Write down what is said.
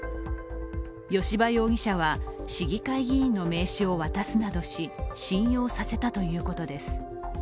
吉羽容疑者は市議会議員の名刺を渡すなどし信用させたということです。